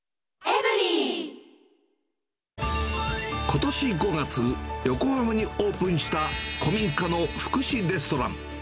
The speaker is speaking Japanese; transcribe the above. ことし５月、横浜にオープンした古民家の福祉レストラン。